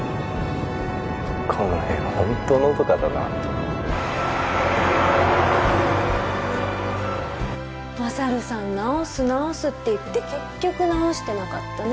この辺ホントのどかだな勝さん直す直すって言って結局直してなかったね